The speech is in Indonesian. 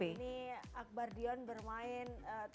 ini akbar dion bermain